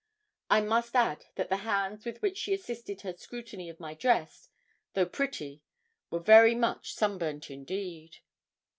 I must add that the hands with which she assisted her scrutiny of my dress, though pretty, were very much sunburnt indeed.